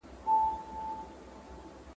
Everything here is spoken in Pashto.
ناروغان د راتلونکې ورځې پلان نه شي کولای.